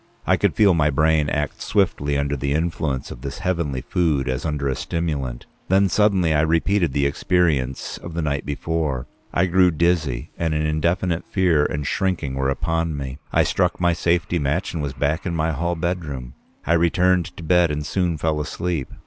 I could feel my brain act swiftly under the influence of this heavenly food as under a stimulant. Then suddenly I repeated the experience of the night before. I grew dizzy, and an indefinite fear and shrinking were upon me. I struck my safety match and was back in my hall bedroom. I returned to bed, and soon fell asleep.